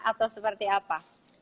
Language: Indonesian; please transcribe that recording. atau seperti apa